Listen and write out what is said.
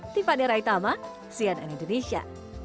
tifadir aitama cnn indonesia